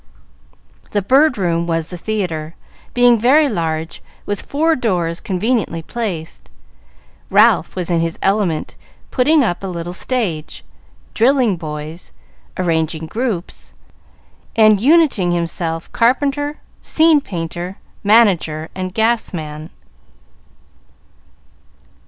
The Bird Room was the theatre, being very large, with four doors conveniently placed. Ralph was in his element, putting up a little stage, drilling boys, arranging groups, and uniting in himself carpenter, scene painter, manager, and gas man.